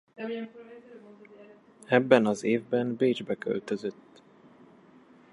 Ebben az évben Bécsbe költözött.